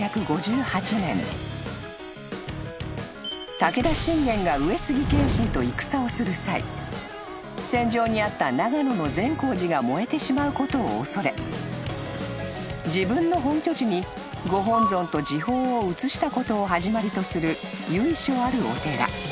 ［武田信玄が上杉謙信と戦をする際戦場にあった長野の善光寺が燃えてしまうことを恐れ自分の本拠地にご本尊と寺宝を移したことを始まりとする由緒あるお寺］